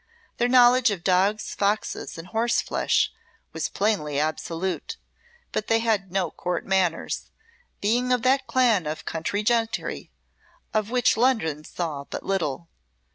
Their knowledge of dogs, foxes, and horseflesh was plainly absolute, but they had no Court manners, being of that clan of country gentry of which London saw but little.